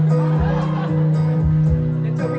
ฉันที่มีกลุ่มพิมพ์ไว้